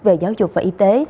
về giáo dục và y tế